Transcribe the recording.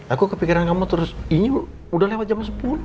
aku kepikiran kamu terus ini udah lewat jam sepuluh